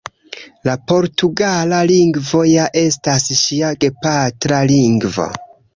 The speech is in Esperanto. La portugala lingvo ja estas ŝia gepatra lingvo.